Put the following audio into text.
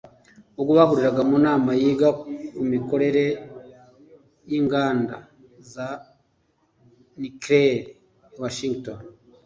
ubwo bahuriraga mu nama yiga ku mikorere y’inganda za “nuclear” i Washington